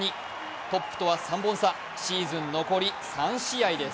トップとは３本差シーズン残り３試合です。